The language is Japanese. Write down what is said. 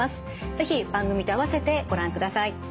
是非番組と併せてご覧ください。